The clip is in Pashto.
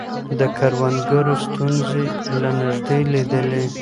ده د کروندګرو ستونزې له نږدې ليدلې.